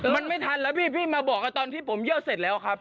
มันไม่ทันแล้วพี่พี่มาบอกกับตอนที่ผมเยี่ยวเสร็จแล้วครับ